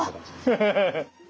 ハハハハ！